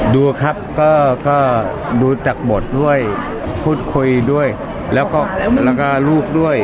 ดูครับแกะก็ดูจากหมดด้วยพูดคุยด้วยแล้วก็แล้วก็ลูกด้วย